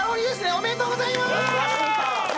おめでとうございまーす！